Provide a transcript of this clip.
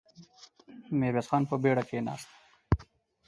ميرويس خان په بېړه کېناست.